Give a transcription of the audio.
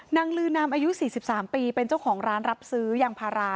ลือนามอายุ๔๓ปีเป็นเจ้าของร้านรับซื้อยางพารา